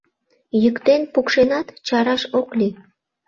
Йӱктен-пукшенат чараш ок лий.